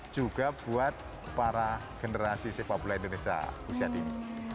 juga buat para generasi sepak bola indonesia usia dini